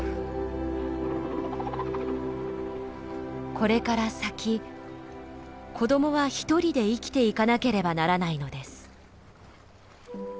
これから先子供は一人で生きていかなければならないのです。